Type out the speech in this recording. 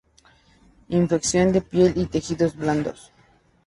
Infección de piel y tejidos blandos.